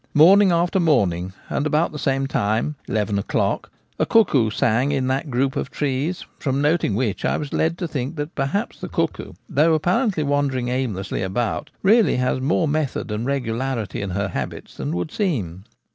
Morning after morning, and about the same time — eleven o'clock — a cuckoo sang in that group of trees, from noting which I was led to think that perhaps the cuckoo, though apparently wandering aimlessly about, really has more method and regularity in her habits than would seem.